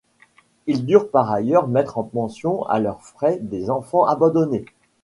Ils durent par ailleurs mettre en pension à leurs frais des enfants abandonnés.